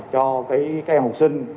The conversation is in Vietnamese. cho cái học sinh